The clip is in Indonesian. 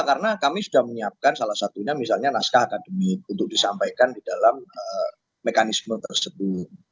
karena kami sudah menyiapkan salah satunya misalnya naskah akademik untuk disampaikan di dalam mekanisme tersebut